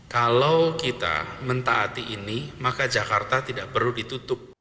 kalau kita mentaati ini maka jakarta tidak perlu ditutup